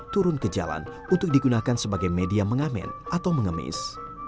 turun ke jalan untuk digunakan sebagai media mengamen atau mengemis